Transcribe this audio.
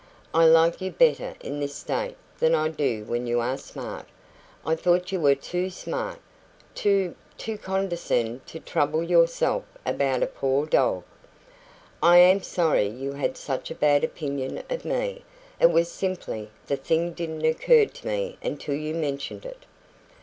"I like you better in this state than I do when you are smart. I thought you were too smart to to condescend to trouble yourself about a poor dog." "I am sorry you had such a bad opinion of me. It was simply the thing didn't occur to me until you mentioned it."